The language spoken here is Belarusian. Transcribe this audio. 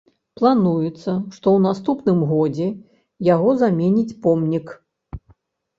Плануецца, што ў наступным годзе яго заменіць помнік.